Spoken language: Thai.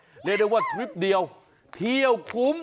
เรียกได้ว่าทริปเดียวเที่ยวคุ้ม